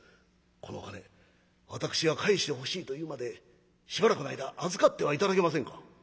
このお金私が返してほしいと言うまでしばらくの間預かっては頂けませんか？」。